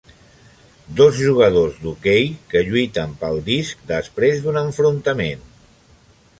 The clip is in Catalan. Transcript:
Dos jugadors d'hoquei que lluiten pel disc després d'un enfrontament.